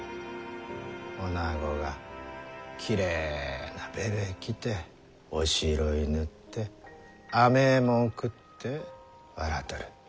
おなごがきれいなべべ着ておしろい塗ってあめえもん食って笑っとる。